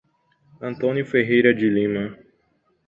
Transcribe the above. Antônio Ferreira de Lima